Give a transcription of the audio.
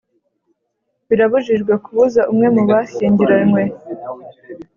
Birabujijwe kubuza umwe mu bashyingiranywe